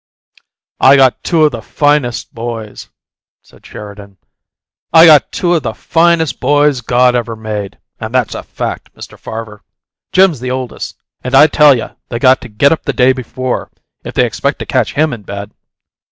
"I got two o' the finest boys," said Sheridan, "I got two o' the finest boys God ever made, and that's a fact, Mr. Farver! Jim's the oldest, and I tell you they got to get up the day before if they expect to catch HIM in bed!